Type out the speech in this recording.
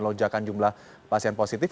lonjakan jumlah pasien positif